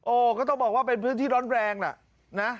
ก็ต้องบอกว่าเป็นพื้นที่ร้อนแรงล่ะนะ